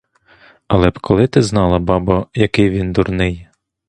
Але коли б ти знала, бабо, який він дурний!